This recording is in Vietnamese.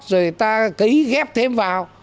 rồi ta cấy ghép thêm vào